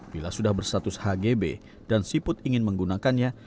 bila sudah berstatus hgb dan siput ingin menggunakannya